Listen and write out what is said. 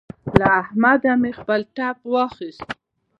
له احمده مې خپل ټپ واخيست.